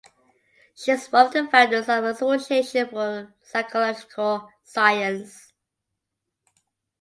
She is one of the founders of the Association for Psychological Science.